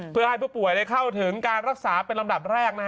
เพื่อให้ผู้ป่วยเข้าถึงการรักษาเป็นลำดับแรก